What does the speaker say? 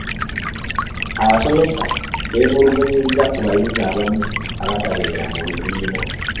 Abasomesa beemulugunyizza ku bayizi abamu abatabeera mu bibiina.